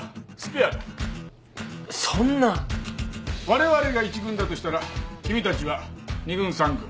われわれが１軍だとしたら君たちは２軍３軍。